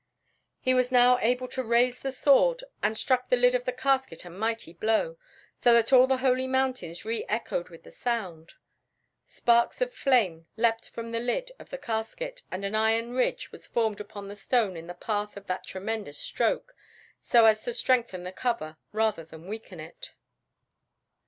He was now able to raise the sword and struck the lid of the casket a mighty blow, so that all the Holy Mountains re echoed with the sound. Sparks of flame leapt from the lid of the casket, and an iron ridge was formed upon the stone in the path of that tremendous stroke, so as to strengthen the cover rather than weaken it.